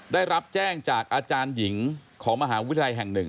ได้รับแจ้งจากอาจารย์หญิงของมหาวิทยาลัยแห่งหนึ่ง